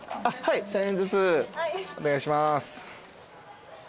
１，０００円ずつお願いします。